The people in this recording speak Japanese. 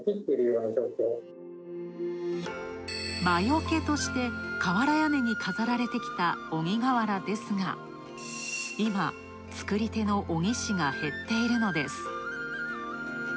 魔除けとして瓦屋根に飾られてきた鬼瓦ですが、今、作り手の鬼師が減っているのです。